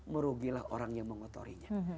merugilah orang yang mengotorinya